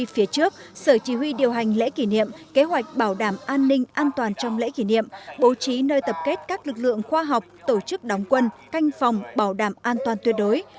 phía trước sở chỉ huy điều hành lễ kỷ niệm kế hoạch bảo đảm an ninh an toàn trong lễ kỷ niệm bố trí nơi tập kết các lực lượng khoa học tổ chức đóng quân canh phòng bảo đảm an toàn tuyệt đối